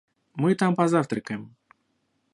Мы там позавтракаем.